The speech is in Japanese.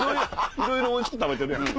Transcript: いろいろおいしく食べてるやん。